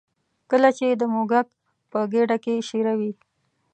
کله چې د موږک په ګېډه کې شېره وي.